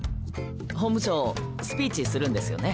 本部長スピーチするんですよね？